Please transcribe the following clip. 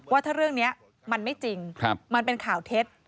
ว่าถ้าเรื่องนี้มันไม่จริงมันเป็นข่าวเท็จ